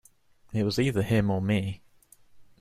It was either him or me.